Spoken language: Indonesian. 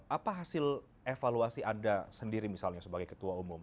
apa hasil evaluasi anda sendiri misalnya sebagai ketua umum